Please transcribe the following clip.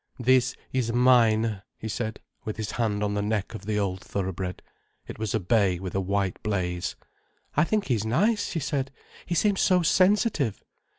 "This is mine," he said, with his hand on the neck of the old thoroughbred. It was a bay with a white blaze. "I think he's nice," she said. "He seems so sensitive."